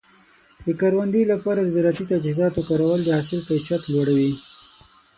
د کروندې لپاره د زراعتي تجهیزاتو کارول د حاصل کیفیت لوړوي.